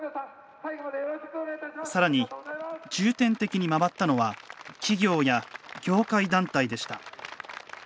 さらに、重点的に回ったのは企業や業界団体でした。